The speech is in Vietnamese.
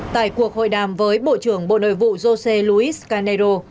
tại cuộc hội đàm với bộ trưởng bộ nội vụ jose luis canero